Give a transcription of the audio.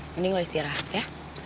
mending lu istirahat ya